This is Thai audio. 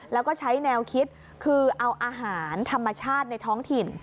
แล้วก็ใช้แนวคิดคือเอาอาหารธรรมชาติในท้องถิ่น